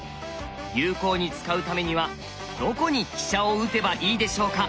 有効に使うためにはどこに飛車を打てばいいでしょうか？